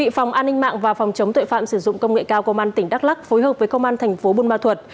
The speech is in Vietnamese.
phòng an ninh mạng và phòng chống tội phạm sử dụng công nghệ cao công an tỉnh đắk lắc phối hợp với công an thành phố buôn ma thuật